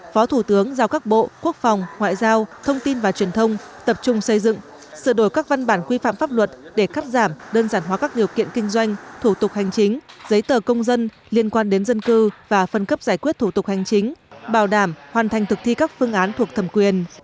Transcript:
phó thủ tướng giao các bộ quốc phòng ngoại giao thông tin và truyền thông tập trung xây dựng sửa đổi các văn bản quy phạm pháp luật để cắt giảm đơn giản hóa các điều kiện kinh doanh thủ tục hành chính giấy tờ công dân liên quan đến dân cư và phân cấp giải quyết thủ tục hành chính bảo đảm hoàn thành thực thi các phương án thuộc thẩm quyền